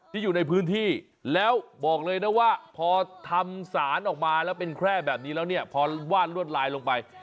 อยู่ในพื้นที่แล้วบอกเลยนะว่าพอทำสารออกมาแล้วเป็นแคร่แบบนี้แล้วเนี่ยพอวาดลวดลายลงไป